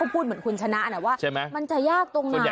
พูดเหมือนคุณชนะนะว่ามันจะยากตรงไหน